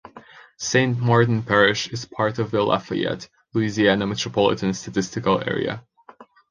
Saint Martin Parish is part of the Lafayette, Louisiana Metropolitan Statistical Area.